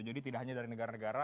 jadi tidak hanya dari negara negara